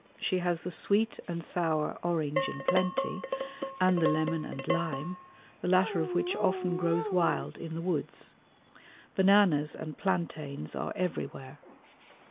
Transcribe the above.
She has the sweet and sour orange in plenty and the lemon and lime, the latter of which often grows wild in the woods. Bananas and plantains are everywhere.